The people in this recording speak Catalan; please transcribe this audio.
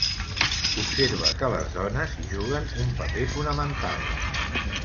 Observa que les dones hi juguen un paper fonamental.